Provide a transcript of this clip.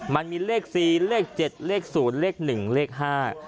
มันมีเลขสี่เลขเจ็ดเลขศูนย์เลขหนึ่งเลขห้า